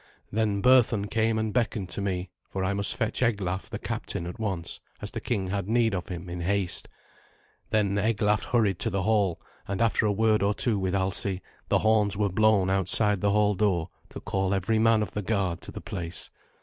Then Berthun came and beckoned to me, for I must fetch Eglaf the captain at once, as the king had need of him, in haste. Then Eglaf hurried to the hall; and after a word or two with Alsi, the horns were blown outside the hall door to call every man of the guard to the place.